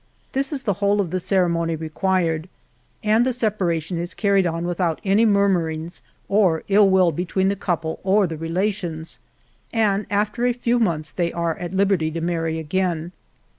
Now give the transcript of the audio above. This is the whole of the ceremony required, and the separ ation is carried on without any murmurings, or ill will be tween the couple or the relations; and after a few months they are at liberty to marry again.